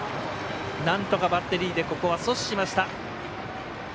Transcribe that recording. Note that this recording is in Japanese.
なんとかバッテリーでここは阻止しました。